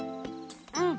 うん！